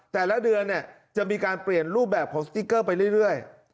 แต่ละเดือนจะมีการเปลี่ยนรูปแบบของสติ๊กเกอร์ไปเรื่อย